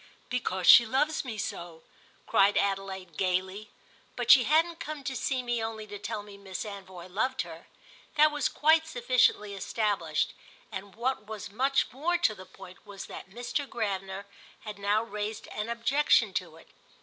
"Because she loves me so!" cried Adelaide gaily. But she hadn't come to see me only to tell me Miss Anvoy loved her: that was quite sufficiently established, and what was much more to the point was that Mr. Gravener had now raised an objection to it.